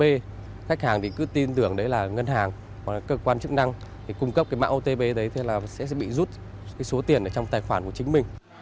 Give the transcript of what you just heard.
các khách hàng cứ tin tưởng đấy là ngân hàng hoặc cơ quan chức năng cung cấp mạng otp đấy sẽ bị rút số tiền trong tài khoản của chính mình